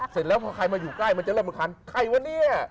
เสร็จแล้วพอใครมาอยู่ใกล้มันจะเริ่มมาคันใครวะเนี่ย